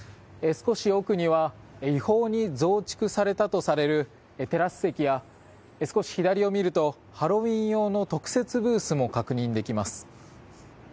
少し奥には違法に増築されたとされるテラス席や少し左を見るとハロウィーン用の特設ブースも確認できます。